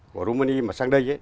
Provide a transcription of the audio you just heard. của rumani mà sang đây